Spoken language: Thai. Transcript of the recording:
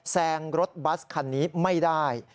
แซงรถบัสคันนี้ไม่ได้